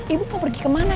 ibu mau pergi ke mana